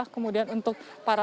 kemudian untuk para